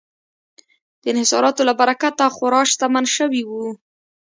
د انحصاراتو له برکته خورا شتمن شوي وو.